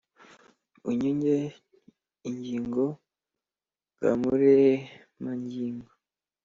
unyunge ingingo, ga muremangingo !